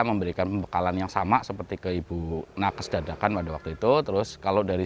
memberikan pembekalan yang sama seperti ke ibu nakes dadakan pada waktu itu terus kalau dari